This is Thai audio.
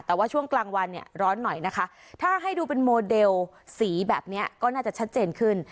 แต่ว่าช่วงกลางวันเนี่ยร้อนหน่อยนะคะถ้าให้ดูเป็นโมเดลสีแบบนี้ก็น่าจะชัดเจนขึ้น